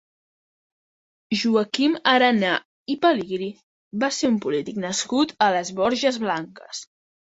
Joaquim Arana i Pelegrí va ser un polític nascut a les Borges Blanques.